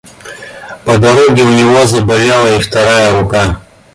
По дороге у него заболела и вторая рука.